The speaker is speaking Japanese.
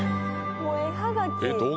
もう絵はがき。